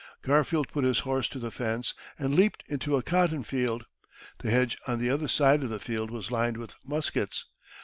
Garfield put his horse to the fence and leaped into a cottonfield. The hedge on the other side of the field was lined with muskets.